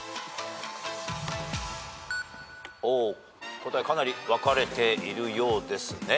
答えかなり分かれてるようです。